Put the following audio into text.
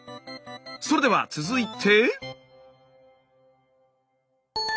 それでは続いて。